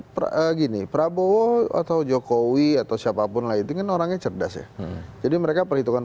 begini prabowo atau jokowi atau siapapun lainnya orangnya cerdas ya jadi mereka perhitungan